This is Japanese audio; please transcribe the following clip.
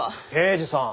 刑事さん